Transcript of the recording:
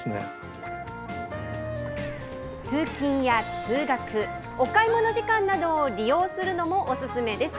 通勤や通学、お買い物時間などを利用するのもお勧めです。